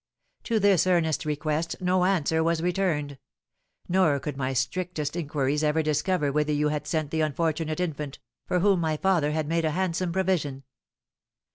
To this earnest request no answer was returned; nor could my strictest inquiries ever discover whither you had sent the unfortunate infant, for whom my father had made a handsome provision.